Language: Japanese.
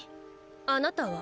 あなたは？